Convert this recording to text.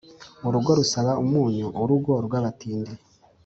urugo rusaba umunyu: urugo rw’abatindi.